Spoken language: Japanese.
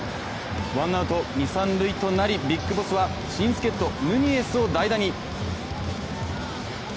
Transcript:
ワンアウト二・三塁となり、ＢＩＧＢＯＳＳは新助っ人、ヌニエスを代打に。